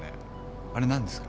あれ何ですか？